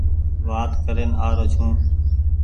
وآت ڪرين آ رو ڇون ۔